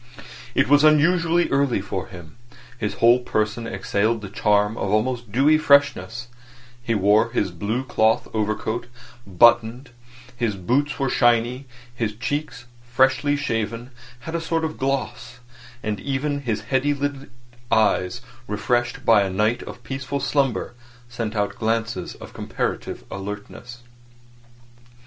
It was unusually early for him; his whole person exhaled the charm of almost dewy freshness; he wore his blue cloth overcoat unbuttoned; his boots were shiny; his cheeks, freshly shaven, had a sort of gloss; and even his heavy lidded eyes, refreshed by a night of peaceful slumber, sent out glances of comparative alertness.